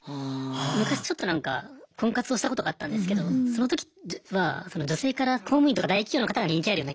昔ちょっとなんか婚活をしたことがあったんですけどその時は女性から公務員とか大企業の方が人気あるような印象があったんですよ。